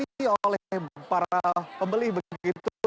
di oleh para pembeli begitu